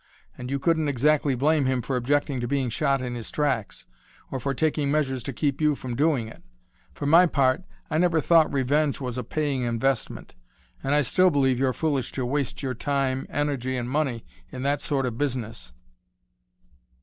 And you couldn't exactly blame him for objecting to being shot in his tracks, or for taking measures to keep you from doing it. For my part, I never thought revenge was a paying investment, and I still believe you're foolish to waste your time, energy, and money in that sort of business.